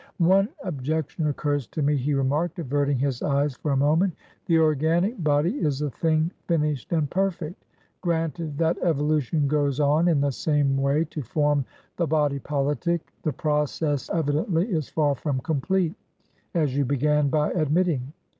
"One objection occurs to me," he remarked, averting his eyes for a moment. "The organic body is a thing finished and perfect. Granted that evolution goes on in the same way to form the body politic, the process, evidently, is far from completeas you began by admitting.